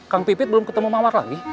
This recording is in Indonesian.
kang pipit belum ketemu mawar lagi